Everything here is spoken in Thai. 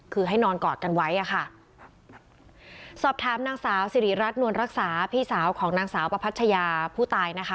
คือให้นอนกอดกันไว้อ่ะค่ะสอบถามนางสาวสิริรัตนวลรักษาพี่สาวของนางสาวประพัชยาผู้ตายนะคะ